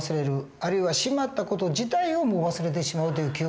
あるいはしまった事自体をもう忘れてしまうという記憶